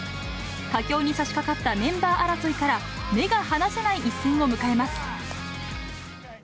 佳境にさしかかったメンバー争いから目が離せない一戦を迎えます。